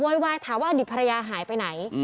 วายถามว่าอดีตภรรยาหายไปไหน